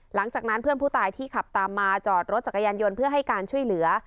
หลังจากนั้นเพื่อนผู้ตายที่ขับตามมาจอดรถจักรยานยนต์เพื่อให้การช่วยเหลือ